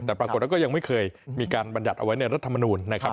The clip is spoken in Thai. แต่ปรากฏแล้วก็ยังไม่เคยมีการบรรยัติเอาไว้ในรัฐมนูลนะครับ